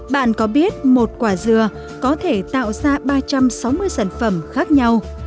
bạn có biết một quả dừa có thể tạo ra ba trăm sáu mươi sản phẩm khác nhau